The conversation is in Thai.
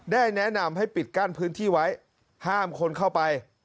แนะนำให้ปิดกั้นพื้นที่ไว้ห้ามคนเข้าไป